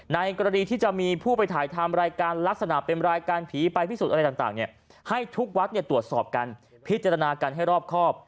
ในกรณีที่จะมีผู้ไปถ่ายทำรายการลักษณะเป็นรายการผีไปพิสูจน์อะไรต่างให้ทุกวัดตรวจสอบกันพิจารณากันให้รอบครอบ